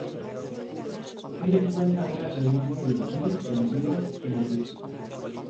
Él encuentra la creencia de Yui en Dios humorística.